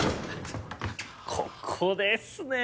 ここですね！